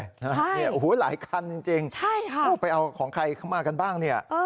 ใช่ใช่ค่ะโอ้โฮหลายกันจริงไปเอาของใครเข้ามากันบ้าง